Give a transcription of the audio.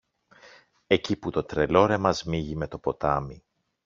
εκεί που το Τρελόρεμα σμίγει με το ποτάμι.